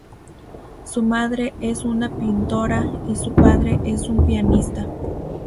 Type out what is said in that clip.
Su madre es una pintora y su padre es un pianista.